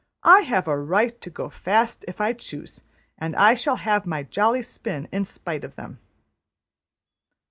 I have a right to go fast if I choose, and I shall have my jolly spin in spite of them.''